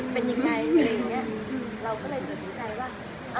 เราก็เลยถึงใจว่า